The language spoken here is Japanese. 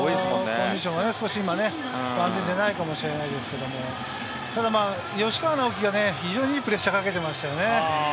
コンディションが万全じゃないかもしれませんけど、ただ吉川尚輝がね、非常にいいプレッシャーをかけていましたね。